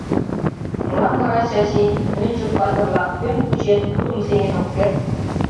Молан вара Чачи, Нӧнчык-патырла, кӧм кучен, тудым сеҥен ок керт?